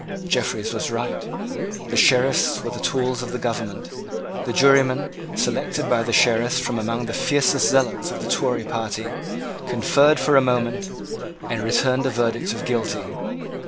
Jeffreys was right. The Sheriffs were the tools of the government. The jurymen, selected by the Sheriffs from among the fiercest zealots of the Tory party, conferred for a moment, and returned a verdict of Guilty.